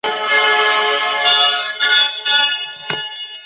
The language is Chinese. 刈羽郡在历史上曾经出现过两次。